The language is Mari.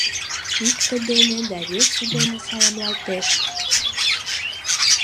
Икте дене да весе дене саламлалтеш.